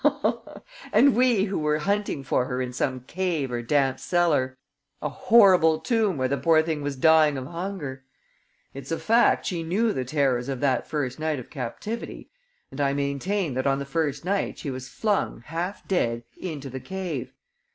And we who were hunting for her in some cave or damp cellar, a horrible tomb where the poor thing was dying of hunger! It's a fact, she knew the terrors of that first night of captivity; and I maintain that, on that first night, she was flung, half dead, into the cave.